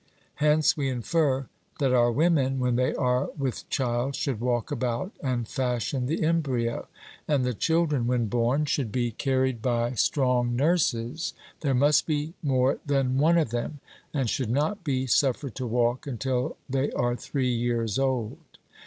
Hence we infer that our women, when they are with child, should walk about and fashion the embryo; and the children, when born, should be carried by strong nurses, there must be more than one of them, and should not be suffered to walk until they are three years old.